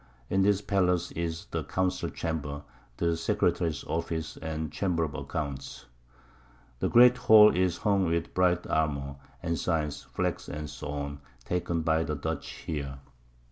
In this Pallace is the Council Chamber, the Secretary's Office and Chamber of Accounts. The great Hall is hung with bright Armour, Ensigns, Flags, &c. taken by the Dutch here.